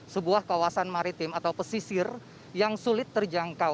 sebuah kawasan maritim atau pesisir yang sulit terjangkau